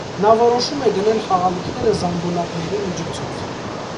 Նա որոշում է գնել խաղալիքները զանգուլակների միջոցով։